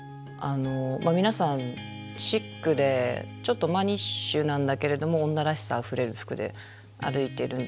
皆さんシックでちょっとマニッシュなんだけれども女らしさあふれる服で歩いてるんですよね。